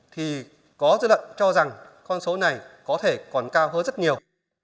thì có dư luận cho rằng con số này có thể còn cao hơn rất nhiều